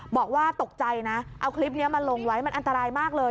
บอกว่าตกใจนะเอาคลิปนี้มาลงไว้มันอันตรายมากเลย